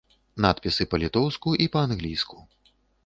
Надпісы па-літоўску і па-англійску.